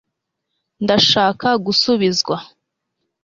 ndashaka gusubizwa